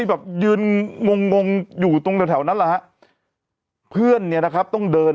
แบบยืนงงงงอยู่ตรงแถวนั้นแหละฮะเพื่อนเนี่ยนะครับต้องเดิน